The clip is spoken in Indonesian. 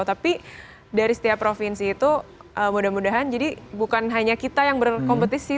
tapi dari setiap provinsi itu mudah mudahan jadi bukan hanya kita yang berkompetisi